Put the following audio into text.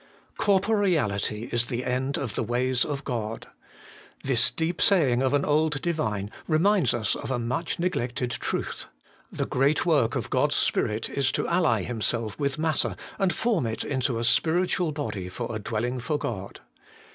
5. 'Corporeality is the end of the ways of God.' This deep saying of an old divine reminds us of a much neglected truth. The great work of God's Spirit is to ally Himself with matter, and form it into a spiritual body for a dwelling for God.